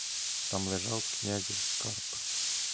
Там лежав князів скарб.